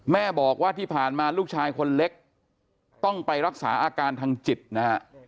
แม่บอกว่าที่ผ่านมาลูกชายคนเล็กต้องไปรักษาอาการทางจิตนะฮะ